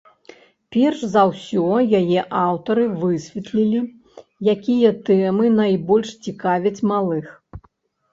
Перш за ўсё яе аўтары высветлілі, якія тэмы найбольш цікавяць малых.